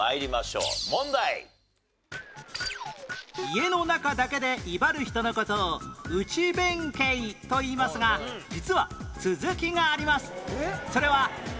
家の中だけで威張る人の事を内弁慶といいますが実は続きがあります